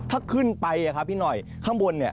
ถ้าขึ้นไปพี่หน่อยข้างบนเนี่ย